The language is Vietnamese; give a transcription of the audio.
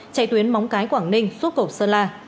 chạy tuyến móng cái quảng ninh xuất cầu sơn la